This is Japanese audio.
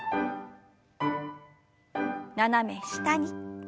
斜め下に。